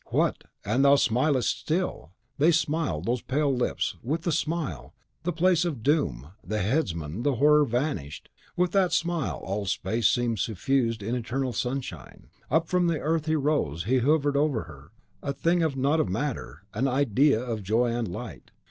"What! and thou smilest still!" They smiled, those pale lips, and WITH the smile, the place of doom, the headsman, the horror vanished. With that smile, all space seemed suffused in eternal sunshine. Up from the earth he rose; he hovered over her, a thing not of matter, an IDEA of joy and light!